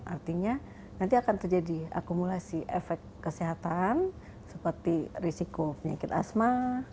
artinya nanti akan terjadi akumulasi efek kesehatan seperti risiko penyakit asma